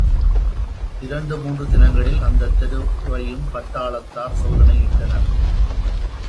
இரண்டு மூன்று தினங்களில் அந்தத் தெருவையும் பட்டாளத்தார் சோதனை இட்டனர்.